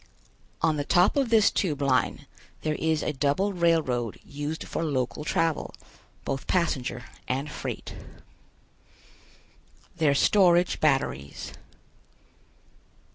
On the top of this Tube Line there is a double railroad used for local travel, both passenger and freight. THEIR STORAGE BATTERIES.